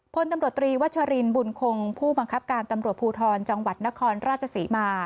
พลตำรวจตรีวัตชะรินบุญคงผู้บังคับการตำรวจอพูทรจนครราชสิมา